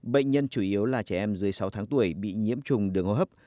bệnh nhân chủ yếu là trẻ em dưới sáu tháng tuổi bị nhiễm trùng đường hô hấp